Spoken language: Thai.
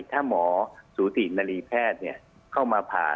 ถ้าหมอสูตินรีแพทย์เข้ามาผ่า